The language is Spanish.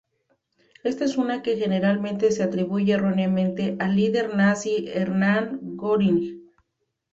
Esta es una que generalmente se atribuye erróneamente al líder nazi Hermann Göring.